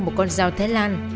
một con dao thái lan